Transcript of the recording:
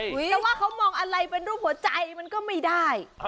เพราะว่าเขามองอะไรเป็นรูปหัวใจมันก็ไม่ได้